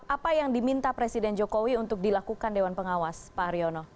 apa yang diminta presiden jokowi untuk dilakukan dewan pengawas pak haryono